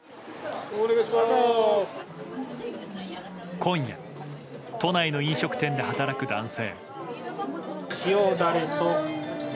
今夜、都内の飲食店で働く男性。